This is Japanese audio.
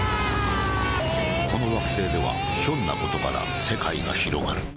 この惑星ではひょんなことから世界が広がる。